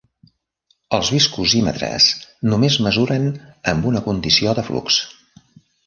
Els viscosímetres només mesuren amb una condició de flux.